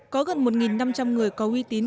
có gần một năm trăm linh người có uy tín